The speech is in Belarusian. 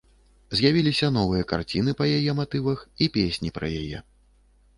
З'явіліся новыя карціны па яе матывах і песні пра яе.